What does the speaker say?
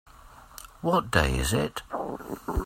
What day is it?